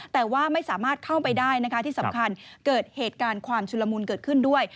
แต่ว่าไม่สามารถเข้าไปได้นะคะที่สำคัญเกิดเหตุการณ์ความชุลมุนเกิดขึ้นด้วย